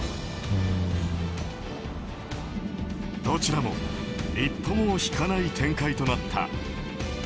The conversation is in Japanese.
どちらも一歩も引かない展開となった。